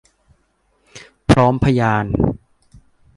พร้อมพยาน